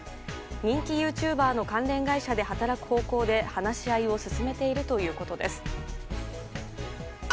人気ユーチューバーの関連会社で働く方向で話し合いを進めているということです。